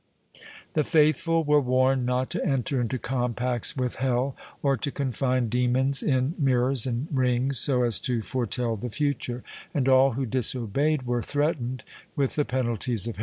The faithful were warned not to enter into compacts with hell, or to confine demons in mirrors and rings so as to foretell the future, and all who disobeyed were threatened with the penalties of heresy.